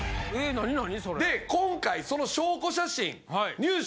何何？